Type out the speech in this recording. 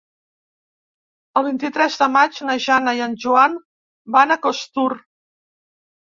El vint-i-tres de maig na Jana i en Joan van a Costur.